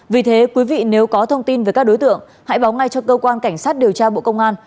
vì thế quý vị nếu có thông tin về các đối tượng hãy báo ngay cho cơ quan cảnh sát điều tra bộ công an